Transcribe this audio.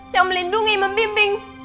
yang melindungi membimbing